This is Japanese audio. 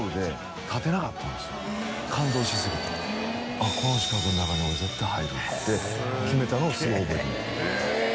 あっこの四角の中に俺絶対入るって決めたのをすごい覚えてます